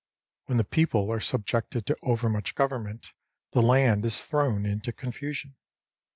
When the people are subjected to overmuch government, the land is thrown into confusion.